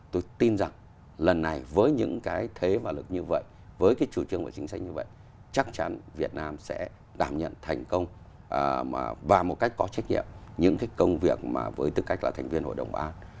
tôi tin rằng lần này với những cái thế và lực như vậy với cái chủ trương và chính sách như vậy chắc chắn việt nam sẽ đảm nhận thành công và một cách có trách nhiệm những cái công việc mà với tư cách là thành viên hội đồng bảo an